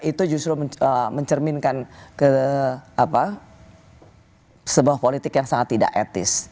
itu justru mencerminkan ke sebuah politik yang sangat tidak etis